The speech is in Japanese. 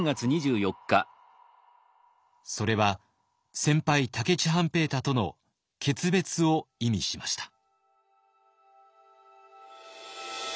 それは先輩武市半平太との決別を意味しました。